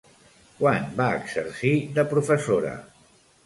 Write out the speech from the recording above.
Quan va exercir de professora?